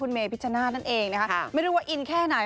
คุณเมพิชชนะท่านเองนะครับไม่รู้ว่าอินแค่ไหน